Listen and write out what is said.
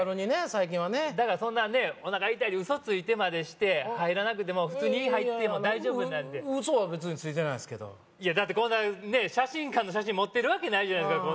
最近はねだからそんなねおなか痛いって嘘ついてまでして入らなくても普通に入っても大丈夫なんでいや嘘は別についてないですけどいやだってこんなね写真館の写真持ってるわけないじゃないですか